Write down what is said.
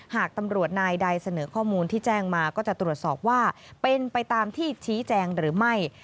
หากตำรวจนายใดเสนอข้อมูลที่แจ้งมาก็จะตรวจสอบว่าเป็นไปตามที่ชี้แจงหรือไม่